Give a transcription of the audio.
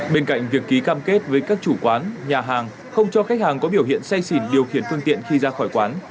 bên cạnh việc ký cam kết với các chủ quán nhà hàng không cho khách hàng có biểu hiện say xỉn điều khiển phương tiện khi ra khỏi quán